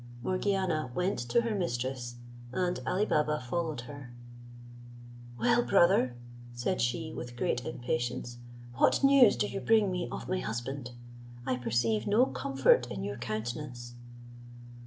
Morgiana went to her mistress, and Ali Baba followed her. "Well, brother," said she, with great impatience, "what news do you bring me of my husband? I perceive no comfort in your countenance."